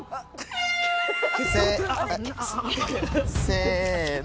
せの。